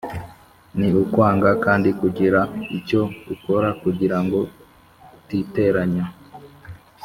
Ni ukwanga kandi kugira icyo ukora kugira ngo utiteranya.